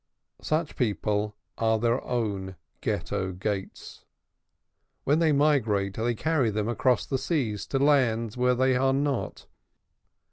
Such people are their own Ghetto gates; when they migrate they carry them across the sea to lands where they are not.